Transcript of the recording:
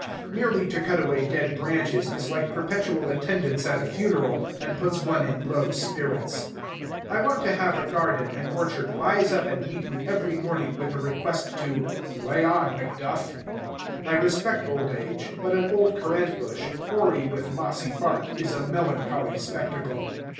Merely to cut away dead branches is like perpetual attendance at a funeral, and puts one in low spirits. I want to have a garden and orchard rise up and meet me every morning, with the request to "lay on, Macduff." I respect old age; but an old currant bush, hoary with mossy bark, is a melancholy spectacle.